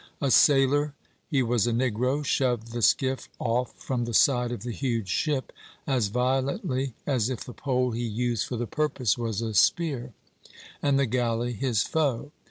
A sailor he was a negro shoved the skiff off from the side of the huge ship as violently as if the pole he used for the purpose was a spear, and the galley his foe.